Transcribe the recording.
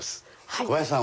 小林さん